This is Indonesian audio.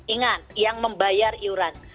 ingat yang membayar iuran